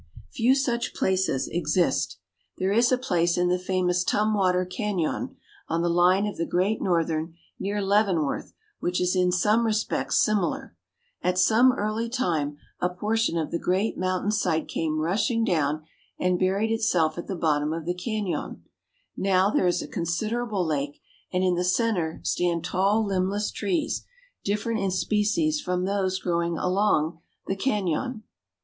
Few such places exist. There is a place in the famous Tumwater Cañon, on the line of the Great Northern, near Leavenworth, which is in some respects similar. At some early time a portion of the great mountain side came rushing down and buried itself at the bottom of the cañon. Now there is a considerable lake, and in the center stand tall, limbless trees, different in species from those growing along the cañon.